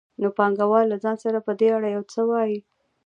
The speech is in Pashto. نو پانګوال له ځان سره په دې اړه یو څه وايي